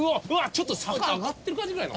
ちょっと坂上がってる感じぐらいの。